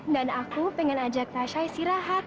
dan aku pengen ajak tasya istirahat